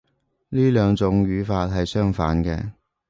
呢兩種語法係相反嘅